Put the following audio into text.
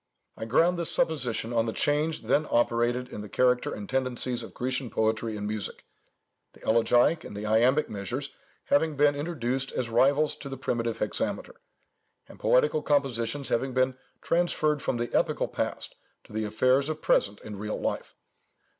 I ground this supposition on the change then operated in the character and tendencies of Grecian poetry and music—the elegiac and the iambic measures having been introduced as rivals to the primitive hexameter, and poetical compositions having been transferred from the epical past to the affairs of present and real life.